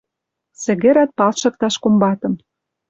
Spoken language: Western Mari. Сӹгӹрӓт палшыкташ комбатым.